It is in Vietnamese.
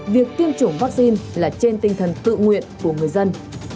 việc tiêm chủng vaccine là trên tinh thần tự nguyện của người dân